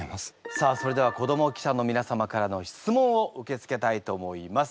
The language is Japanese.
さあそれでは子ども記者のみな様からの質問を受け付けたいと思います。